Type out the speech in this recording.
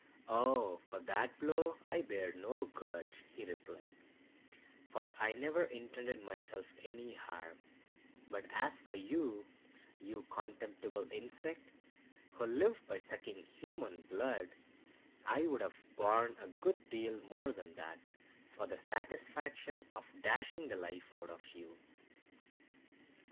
"Oh, for that blow I bear no grudge," he replied, "for I never intended myself any harm; but as for you, you contemptible insect, who live by sucking human blood, I'd have borne a good deal more than that for the satisfaction of dashing the life out of you!"